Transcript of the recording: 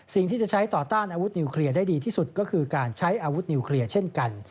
สิ่งที่จะใช้ต่อต้านอาวุธนิวเคลียร์ได้ดีที่สุดก็คือการใช้อาวุธนิวเคลียร์เช่นกัน